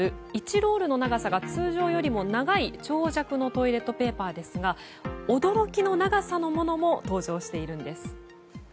ロールの長さが通常よりも長い長尺のトイレットペーパーですが驚きの長さのものも登場しているんです。